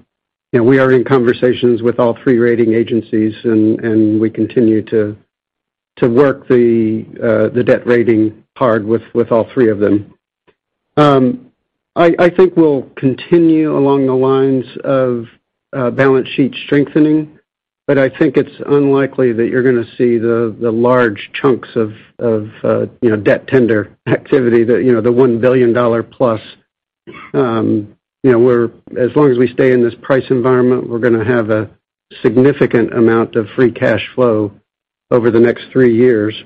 know are in conversations with all three rating agencies and we continue to work the debt rating hard with all three of them. I think we'll continue along the lines of balance sheet strengthening, but I think it's unlikely that you're gonna see the large chunks of you know debt tender activity that you know the $1 billion+. You know, as long as we stay in this price environment, we're gonna have a significant amount of free cash flow over the next three years.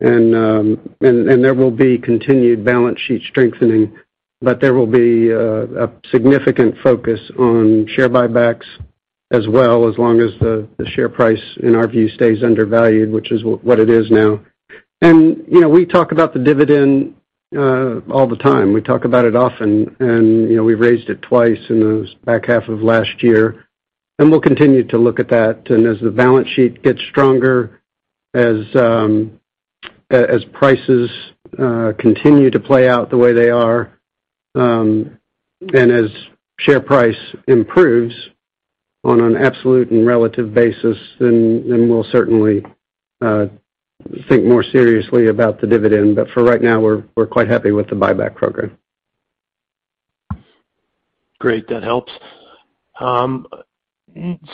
There will be continued balance sheet strengthening, but there will be a significant focus on share buybacks as well as long as the share price, in our view, stays undervalued, which is what it is now. You know, we talk about the dividend all the time. We talk about it often and, you know, we've raised it twice in the back half of last year. We'll continue to look at that. As the balance sheet gets stronger, as prices continue to play out the way they are, and as share price improves on an absolute and relative basis, then we'll certainly think more seriously about the dividend. For right now, we're quite happy with the buyback program. Great. That helps.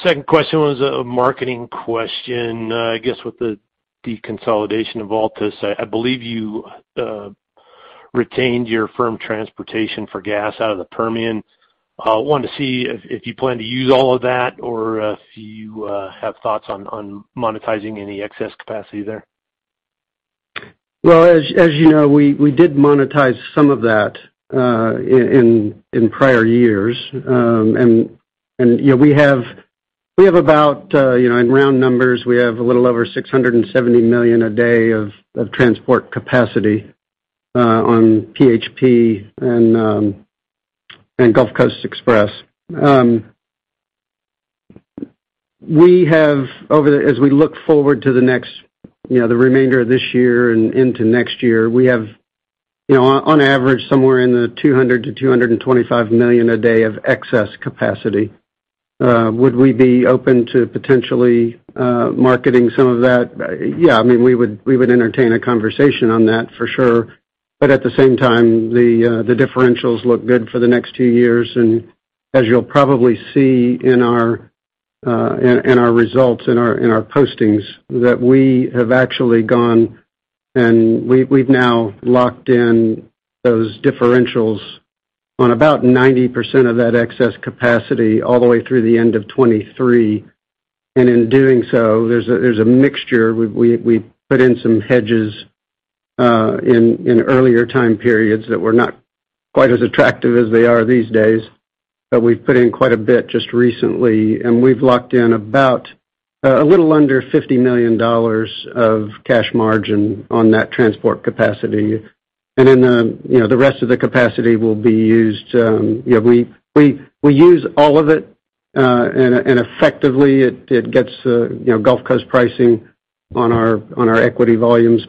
Second question was a marketing question. I guess with the deconsolidation of Altus, I believe you retained your firm transportation for gas out of the Permian. Wanted to see if you plan to use all of that or if you have thoughts on monetizing any excess capacity there. Well, as you know, we did monetize some of that in prior years. You know, we have about, you know, in round numbers, a little over 670 million a day of transport capacity on PHP and Gulf Coast Express. As we look forward to the next, you know, the remainder of this year and into next year, we have, you know, on average, somewhere in the 200 to 225 million a day of excess capacity. Would we be open to potentially marketing some of that? Yeah, I mean, we would entertain a conversation on that for sure. At the same time, the differentials look good for the next two years. As you'll probably see in our results, in our postings, that we have actually gone and we've now locked in those differentials on about 90% of that excess capacity all the way through the end of 2023. In doing so, there's a mixture. We put in some hedges in earlier time periods that were not quite as attractive as they are these days, but we've put in quite a bit just recently, and we've locked in about a little under $50 million of cash margin on that transport capacity. You know, the rest of the capacity will be used, you know, we use all of it, and effectively it gets you know, Gulf Coast pricing on our equity volumes.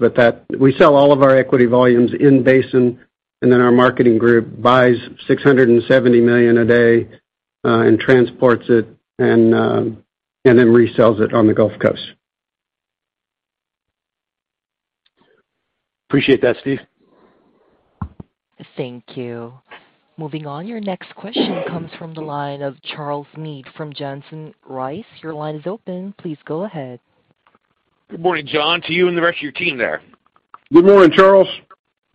We sell all of our equity volumes in basin, and then our marketing group buys 670 million a day, and transports it and then resells it on the Gulf Coast. Appreciate that, Steve. Thank you. Moving on, your next question comes from the line of Charles Meade from Johnson Rice. Your line is open. Please go ahead. Good morning, John, to you and the rest of your team there. Good morning, Charles.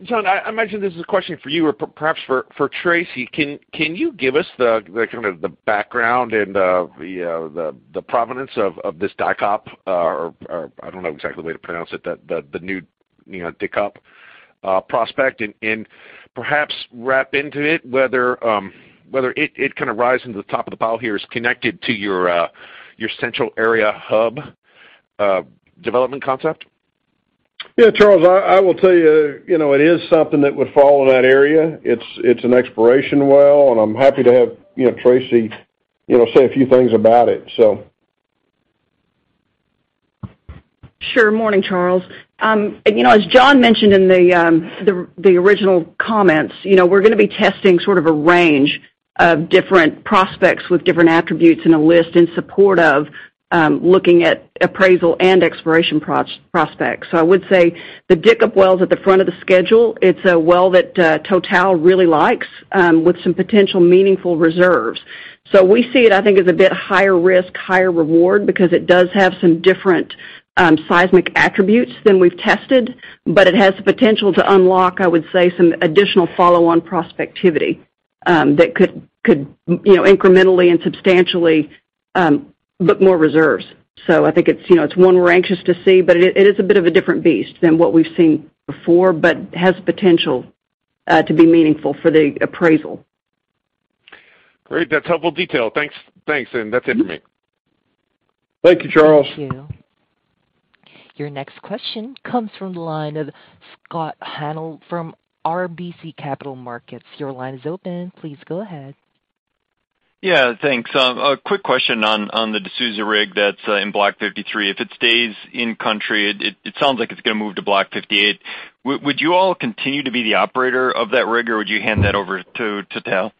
John, I imagine this is a question for you or perhaps for Tracy. Can you give us the kind of the background and the provenance of this Dikkop, or I don't know exactly the way to pronounce it, the new, you know, Dikkop prospect? Perhaps wrap into it whether it kind of rises to the top of the pile here is connected to your Central Area Hub development concept. Yeah, Charles, I will tell you know, it is something that would fall in that area. It's an exploration well, and I'm happy to have, you know, Tracy, you know, say a few things about it. Sure. Morning, Charles. You know, as John mentioned in the original comments, you know, we're gonna be testing sort of a range of different prospects with different attributes in a list in support of looking at appraisal and exploration prospects. I would say the Dikkop Well is at the front of the schedule. It's a well that Total really likes with some potentially meaningful reserves. We see it, I think, as a bit higher risk, higher reward because it does have some different seismic attributes than we've tested, but it has the potential to unlock, I would say, some additional follow-on prospectivity that could, you know, incrementally and substantially book more reserves. I think it's, you know, it's one we're anxious to see, but it is a bit of a different beast than what we've seen before, but has potential to be meaningful for the appraisal. Great. That's helpful detail. Thanks. Thanks, and that's it for me. Thank you, Charles. Thank you. Your next question comes from the line of Scott Hanold from RBC Capital Markets. Your line is open. Please go ahead. Yeah, thanks. A quick question on the de Souza rig that's in Block 53. If it stays in country, it sounds like it's gonna move to Block 58. Would you all continue to be the operator of that rig, or would you hand that over to Total?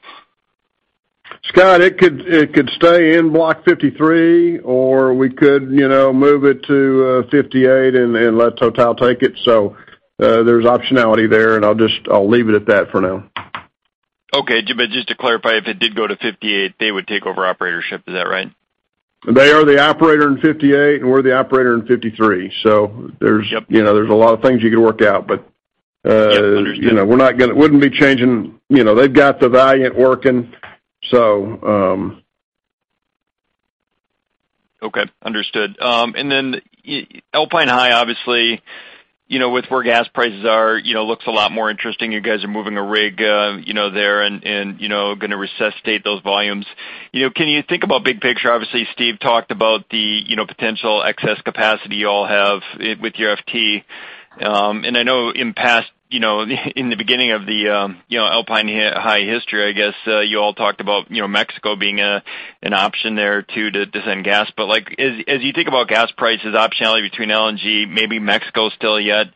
Scott, it could stay in Block 53 or we could, you know, move it to 58 and let Total take it. There's optionality there, and I'll just leave it at that for now. Okay. Just to clarify, if it did go to 58, they would take over operatorship. Is that right? They are the operator in 58, and we're the operator in 53. You know, there's a lot of things you could work out, but. Yep, understood. You know, wouldn't be changing. You know, they've got the Valiant working, so. Okay, understood. Alpine High, obviously, you know, with where gas prices are, you know, looks a lot more interesting. You guys are moving a rig there and gonna resuscitate those volumes. You know, can you think about big picture? Obviously, Steve talked about the potential excess capacity you all have with your FT. I know in past, in the beginning of the Alpine High history, I guess, you all talked about Mexico being an option there too to send gas. Like, as you think about gas prices optionality between LNG, maybe Mexico still yet,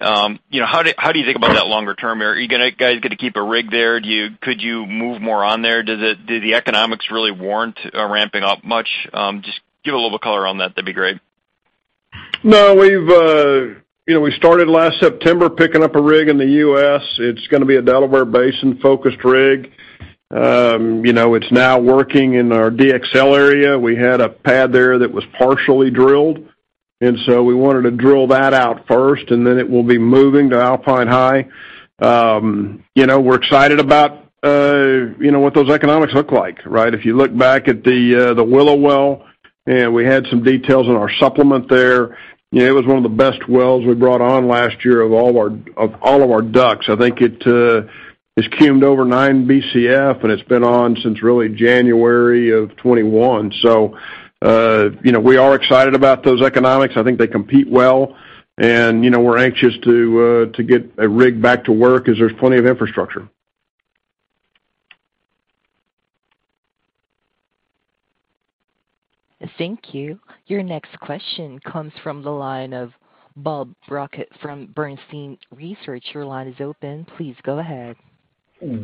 you know, how do you think about that longer term? Are you guys gonna keep a rig there? Could you move more on there? Do the economics really warrant ramping up much? Just give a little color on that. That'd be great. No, we've you know, we started last September picking up a rig in the U.S. It's gonna be a Delaware Basin-focused rig. You know, it's now working in our DXL area. We had a pad there that was partially drilled, and so we wanted to drill that out first, and then it will be moving to Alpine High. You know, we're excited about you know, what those economics look like, right? If you look back at the Willow well, and we had some details in our supplement there, you know, it was one of the best wells we brought on last year of all of our areas. I think it's cummed over 9 Bcf, and it's been on since really January of 2021. You know, we are excited about those economics. I think they compete well, and you know, we're anxious to get a rig back to work as there's plenty of infrastructure. Thank you. Your next question comes from the line of Bob Brackett from Bernstein Research. Your line is open. Please go ahead.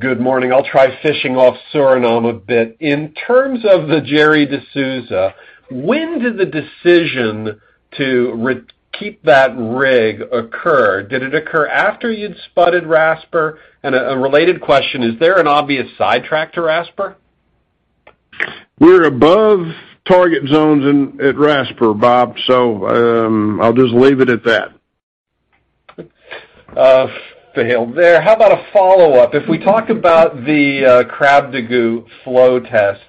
Good morning. I'll try fleshing out Suriname a bit. In terms of the Gerry de Souza, when did the decision to rebook that rig occur? Did it occur after you'd spudded Rasper? A related question, is there an obvious sidetrack to Rasper? We're above target zones in Rasper, Bob, so I'll just leave it at that. How about a follow-up? If we talk about the Krabdagu flow test,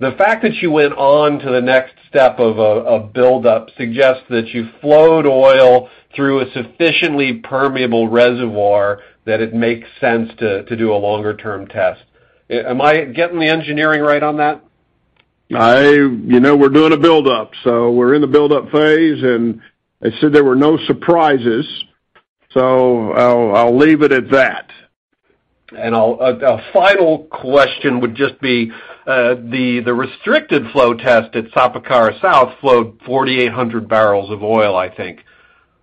the fact that you went on to the next step of a build-up suggests that you flowed oil through a sufficiently permeable reservoir that it makes sense to do a longer term test. Am I getting the engineering right on that? You know, we're doing a build-up, so we're in the build-up phase, and I said there were no surprises, so I'll leave it at that. A final question would just be the restricted flow test at Sapakara South flowed 4,800 barrels of oil, I think.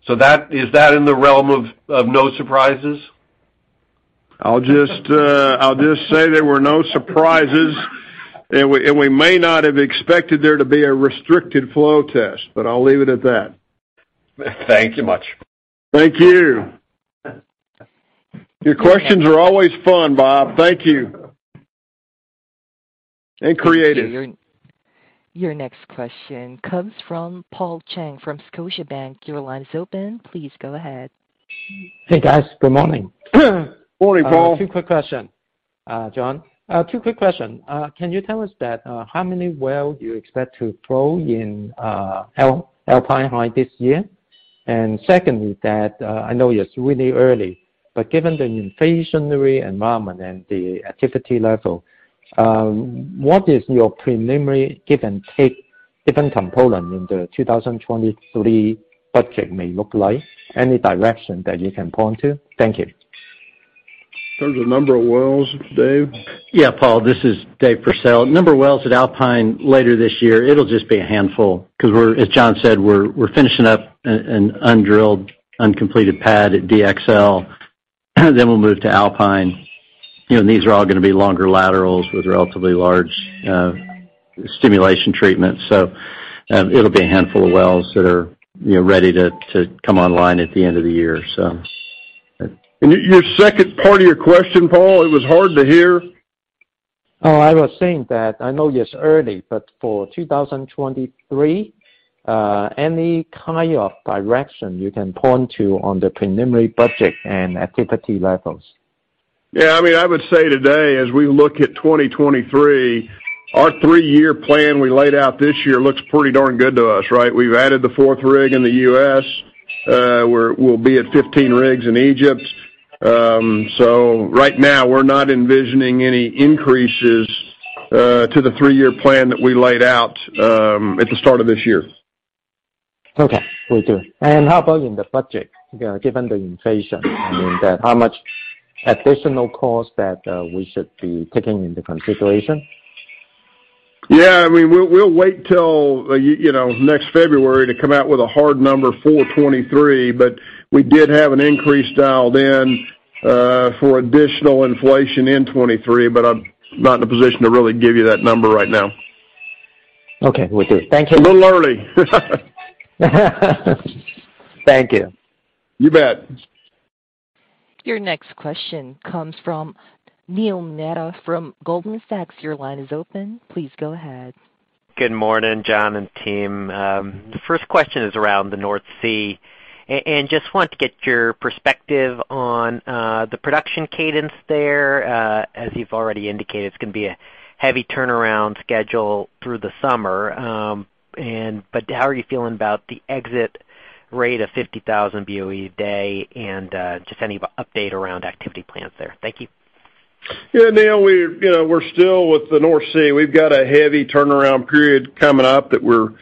Is that in the realm of no surprises? I'll just say there were no surprises. We may not have expected there to be a restricted flow test, but I'll leave it at that. Thank you much. Thank you. Your questions are always fun, Bob. Thank you. Creative. Your next question comes from Paul Cheng from Scotiabank. Your line is open. Please go ahead. Hey, guys. Good morning. Morning, Paul. John, two quick questions. Can you tell us how many wells you expect to flow in Alpine High this year? Secondly, I know it's really early, but given the inflationary environment and the activity level, what is your preliminary give and take, different components in the 2023 budget may look like? Any direction that you can point to? Thank you. In terms of number of wells, Dave? Yeah, Paul, this is Dave Pursell. Number of wells at Alpine later this year, it'll just be a handful 'cause we're, as John said, we're finishing up an undrilled, uncompleted pad at DXL, then we'll move to Alpine. You know, these are all gonna be longer laterals with relatively large stimulation treatments. It'll be a handful of wells that are, you know, ready to come online at the end of the year. Your second part of your question, Paul, it was hard to hear. Oh, I was saying that I know it's early, but for 2023, any kind of direction you can point to on the preliminary budget and activity levels? Yeah, I mean, I would say today as we look at 2023, our three-year plan we laid out this year looks pretty darn good to us, right? We've added the 4th rig in the U.S. We'll be at 15 rigs in Egypt. Right now, we're not envisioning any increases to the three-year plan that we laid out at the start of this year. Okay. Will do. How about in the budget, you know, given the inflation? I mean, how much additional cost that we should be taking into consideration? Yeah, I mean, we'll wait till you know next February to come out with a hard number for 2023, but we did have an increase dialed in for additional inflation in 2023, but I'm not in a position to really give you that number right now. Okay. Will do. Thank you. It's a little early. Thank you. You bet. Your next question comes from Neil Mehta from Goldman Sachs. Your line is open. Please go ahead. Good morning, John and team. The first question is around the North Sea. Just want to get your perspective on the production cadence there. As you've already indicated, it's gonna be a heavy turnaround schedule through the summer, but how are you feeling about the exit rate of 50,000 BOE a day and just any update around activity plans there? Thank you. Yeah, Neil, you know, we're still with the North Sea. We've got a heavy turnaround period coming up that we're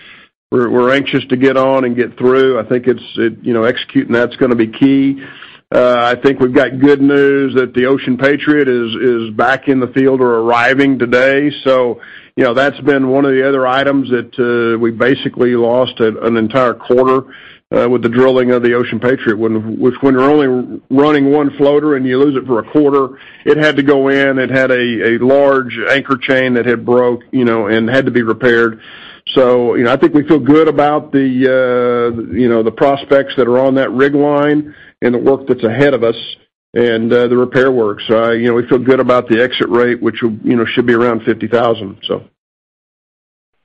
anxious to get on and get through. I think it's you know, executing that's gonna be key. I think we've got good news that the Ocean Patriot is back in the field or arriving today. So, you know, that's been one of the other items that we basically lost an entire quarter with the drilling of the Ocean Patriot. Which when you're only running one floater and you lose it for a quarter, it had to go in. It had a large anchor chain that had broke, you know, and had to be repaired. you know, I think we feel good about the you know, the prospects that are on that rig line and the work that's ahead of us and the repair works. you know, we feel good about the exit rate, which you know, should be around 50,000, so.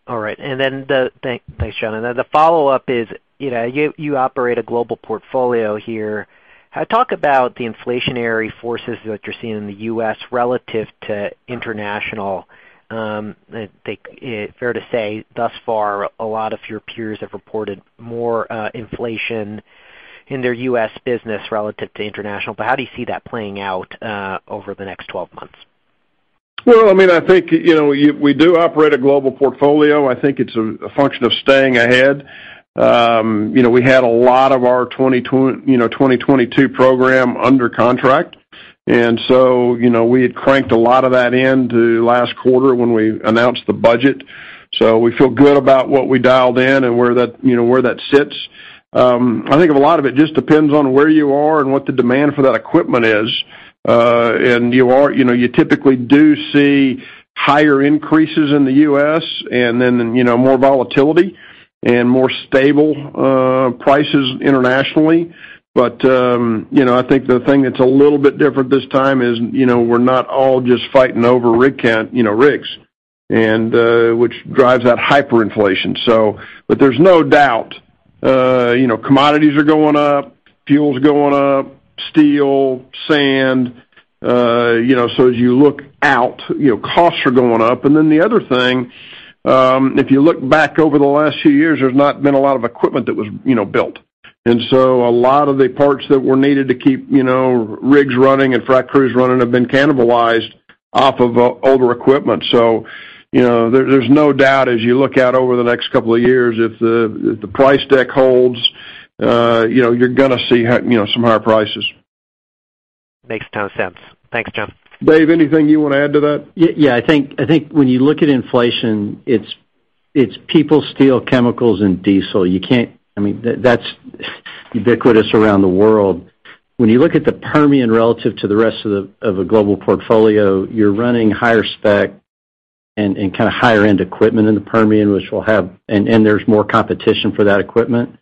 All right. Thanks, John. The follow-up is, you know, you operate a global portfolio here. Talk about the inflationary forces that you're seeing in the U.S. relative to international. I think fair to say, thus far, a lot of your peers have reported more inflation in their U.S. business relative to international, but how do you see that playing out over the next 12 months? Well, I mean, I think, you know, we do operate a global portfolio. I think it's a function of staying ahead. You know, we had a lot of our 2022 program under contract. You know, we had cranked a lot of that into last quarter when we announced the budget. We feel good about what we dialed in and where that sits. I think a lot of it just depends on where you are and what the demand for that equipment is. You typically do see higher increases in the U.S. and then more volatility and more stable prices internationally. I think the thing that's a little bit different this time is, you know, we're not all just fighting over rig count, you know, rigs and which drives that hyperinflation. There's no doubt, you know, commodities are going up, fuel is going up, steel, sand, you know, so as you look out, you know, costs are going up. The other thing, if you look back over the last few years, there's not been a lot of equipment that was, you know, built. A lot of the parts that were needed to keep, you know, rigs running and frac crews running have been cannibalized off of older equipment. You know, there's no doubt as you look out over the next couple of years, if the price deck holds, you know, you're gonna see, you know, some higher prices. Makes a ton of sense. Thanks, John. Dave, anything you wanna add to that? Yeah. I think when you look at inflation, it's people, steel, chemicals, and diesel. I mean, that's ubiquitous around the world. When you look at the Permian relative to the rest of the global portfolio, you're running higher spec and kinda higher end equipment in the Permian, and there's more competition for that equipment.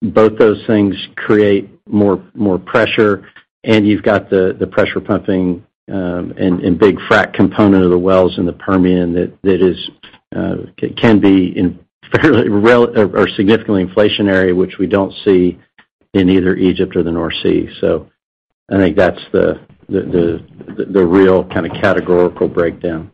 Both those things create more pressure, and you've got the pressure pumping and big frac component of the wells in the Permian that can be fairly relentless or significantly inflationary, which we don't see in either Egypt or the North Sea. I think that's the real kinda categorical breakdown.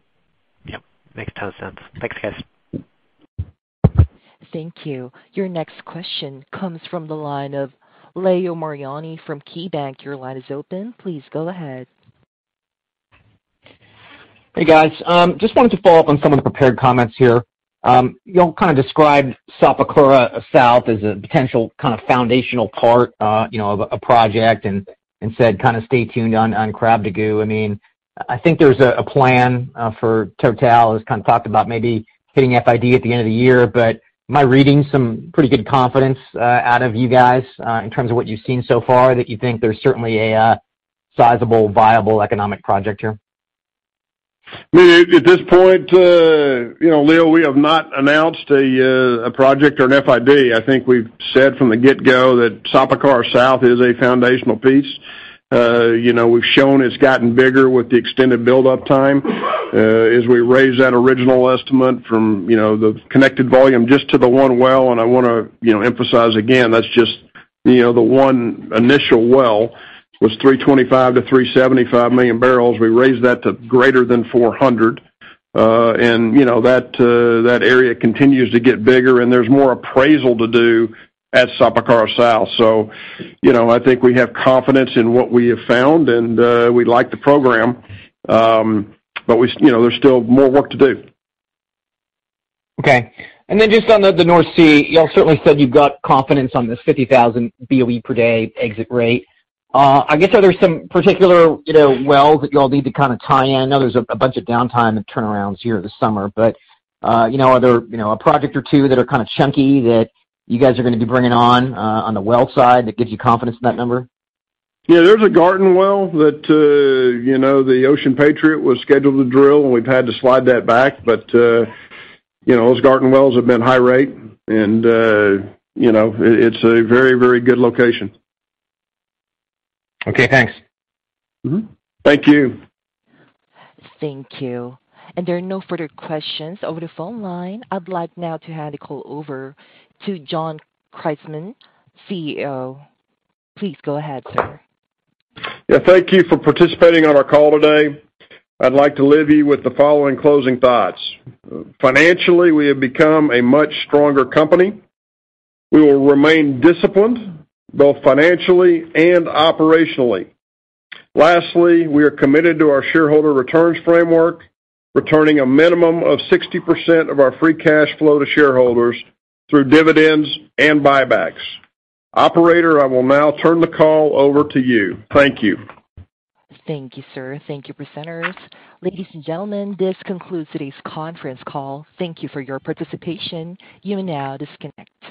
Yep. Makes a ton of sense. Thanks, guys. Thank you. Your next question comes from the line of Leo Mariani from KeyBanc. Your line is open. Please go ahead. Hey, guys. Just wanted to follow up on some of the prepared comments here. You all kinda described Sapakara South as a potential kinda foundational part, you know, of a project and instead kinda stay tuned on Krabdagu. I mean, I think there's a plan for Total, as kind of talked about maybe hitting FID at the end of the year, but am I reading some pretty good confidence out of you guys in terms of what you've seen so far that you think there's certainly a sizable, viable economic project here? I mean, at this point, you know, Leo, we have not announced a project or an FID. I think we've said from the get-go that Sapakara South is a foundational piece. You know, we've shown it's gotten bigger with the extended build-up time, as we raised that original estimate from, you know, the connected volume just to the one well, and I wanna, you know, emphasize again, that's just, you know, the one initial well was 325 to 375 million barrels. We raised that to greater than 400. And you know, that area continues to get bigger, and there's more appraisal to do at Sapakara South. You know, I think we have confidence in what we have found and we like the program, but we, you know, there's still more work to do. Okay. Just on the North Sea, y'all certainly said you've got confidence on this 50,000 BOE per day exit rate. I guess are there some particular, you know, wells that y'all need to kinda tie in? I know there's a bunch of downtime and turnarounds here this summer, but, you know, are there, you know, a project or two that are kinda chunky that you guys are gonna be bringing on the well side that gives you confidence in that number? Yeah, there's a Garten well that, you know, the Ocean Patriot was scheduled to drill, and we've had to slide that back. Those Garten wells have been high rate and, you know, it's a very, very good location. Okay, thanks. Mm-hmm. Thank you. Thank you. There are no further questions over the phone line. I'd like now to hand the call over to John Christmann, CEO. Please go ahead, sir. Yeah, thank you for participating on our call today. I'd like to leave you with the following closing thoughts. Financially, we have become a much stronger company. We will remain disciplined, both financially and operationally. Lastly, we are committed to our shareholder returns framework, returning a minimum of 60% of our free cash flow to shareholders through dividends and buybacks. Operator, I will now turn the call over to you. Thank you. Thank you, sir. Thank you, presenters. Ladies and gentlemen, this concludes today's conference call. Thank you for your participation. You may now disconnect.